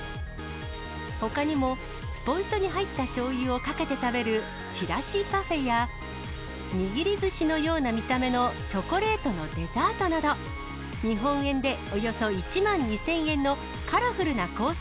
ほかにもスポイトに入ったしょうゆをかけて食べるちらしパフェや、握りずしのような見た目のチョコレートのデザートなど、日本円でおよそ１万２０００円のカラフルなコース